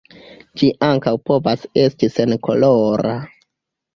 Ĝi ankaŭ povas esti senkolora.